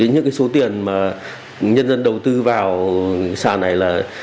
những số tiền mà nhân dân đầu tư vào sàn này là